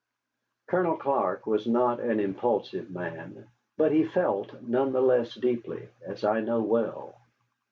Colonel Clark was not an impulsive man, but he felt none the less deeply, as I know well.